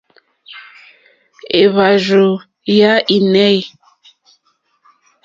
Èhvàrzù ya inèi.